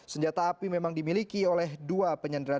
senjata api memang dimiliki oleh dua penyandera